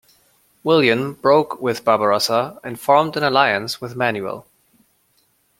William broke with Barbarossa and formed an alliance with Manuel.